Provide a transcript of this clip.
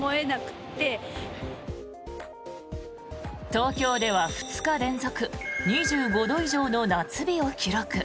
東京では２日連続２５度以上の夏日を記録。